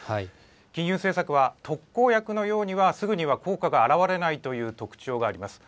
金融政策は特効薬のようにはすぐには効果が現れないという特徴があります。